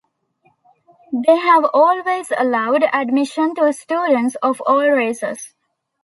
They have always allowed admission to students of all races.